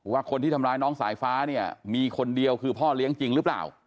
ว่าคนที่ทำร้ายน้องสายฟ้าเนี่ยมีคนเดียวคือพ่อเลี้ยงจริงหรือเปล่า